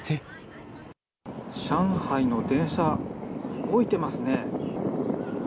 上海の電車、動いてますね。